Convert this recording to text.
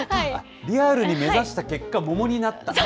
リアルに目指した結果、桃になった。